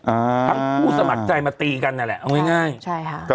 อ่าทั้งผู้สมัครใจมาตีกันนั่นแหละเอาง่ายง่ายใช่ค่ะ